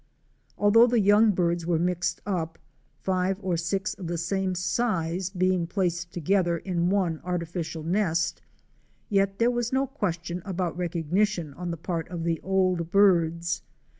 Although the young birds were mixed up, five or six of the same size being placed together in one artificial nest, yet there was no question about recognition on the part of the old birds.